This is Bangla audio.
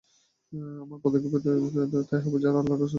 আমার পদক্ষেপও তাই হবে যা আল্লাহর রাসূল সাল্লাল্লাহু আলাইহি ওয়াসাল্লাম নেন।